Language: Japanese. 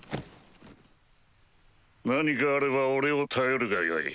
何かあれば俺を頼るがよい。